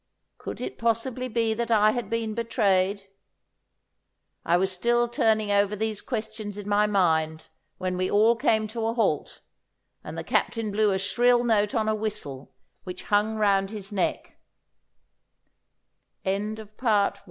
Could it possibly be that I had been betrayed? I was still turning over these questions in my mind when we all came to a halt, and the Captain blew a shrill note on a whistle which hung rou